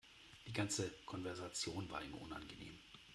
Die ganze Konversation war ihm unangenehm.